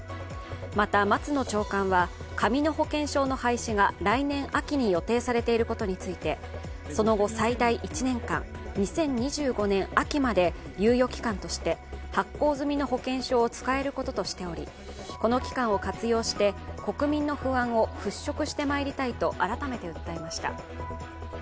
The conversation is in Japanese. また松野長官は紙の保険証の廃止が来年秋に予定されていることについてその後最大１年間、２０２５年秋まで猶予期間として発行済みの保険証を使えることとしており、この期間を活用して国民の不安をふっしょくしてまいりたいと改めて訴えました。